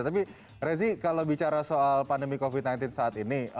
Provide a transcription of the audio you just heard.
tapi rezi kalau bicara soal pandemi covid sembilan belas saat ini